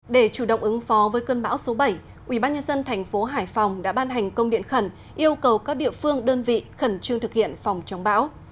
để chủ động ứng phó với cơn bão số bảy ubnd tp hải phòng đã ban hành công điện khẩn yêu cầu các địa phương đơn vị khẩn trương thực hiện phòng chống bão